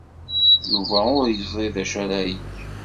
Yuba ur yeẓri d acu ara yeg.